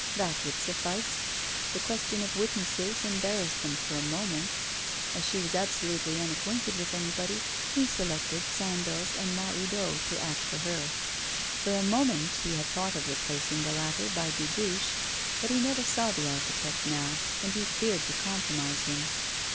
That would suffice. The question of witnesses embarrassed them for a moment. As she was absolutely unacquainted with anybody, he selected Sandoz and Mahoudeau to act for her. For a moment he had thought of replacing the latter by Dubuche, but he never saw the architect now, and he feared to compromise him.